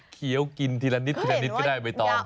เขี้ยวกินทีละนิดก็ได้ไปต่อ